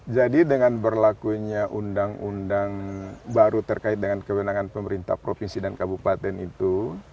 jadi dengan berlakunya undang undang baru terkait dengan kewenangan pemerintah provinsi dan kabupaten itu